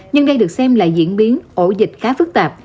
nhưng đây được xem là diễn biến ổ dịch khá phức tạp